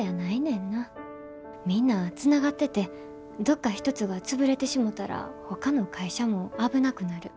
みんなつながっててどっか一つが潰れてしもたらほかの会社も危なくなる。